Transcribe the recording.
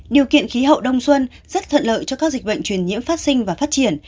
điều kiện khí hậu đông xuân rất thuận lợi cho các dịch bệnh truyền nhiễm phát sinh và phát triển